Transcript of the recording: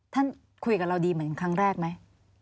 ท่านคุยกับเราดีเหมือนครั้งแรกไหม